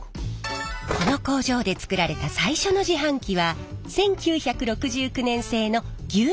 この工場で作られた最初の自販機は１９６９年製の牛乳ビン自販機。